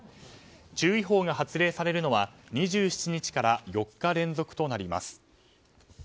注意報が発令されるのは２７日から４日連続となります。